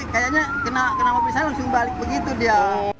kayaknya kenapa saya langsung balik begitu dia